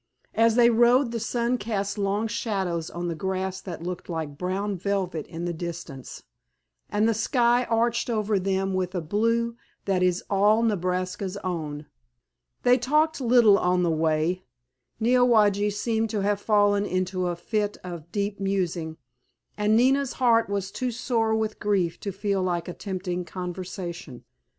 As they rode the sun cast long shadows on the grass that looked like brown velvet in the distance, and the sky arched over them with a blue that is all Nebraska's own. They talked little on the way. Neowage seemed to have fallen into a fit of deep musing, and Nina's heart was too sore with grief to feel like attempting conversation.